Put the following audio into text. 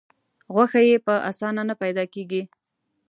غوښه یې په اسانه نه پیدا کېږي.